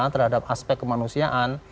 terhadap aspek kemanusiaan